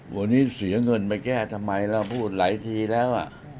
วันนี้เสียเงินไปแก้ทำไมเราพูดหลายทีแล้ว